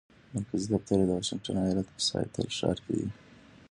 مرکزي دفتر یې د واشنګټن ایالت په سیاتل ښار کې دی.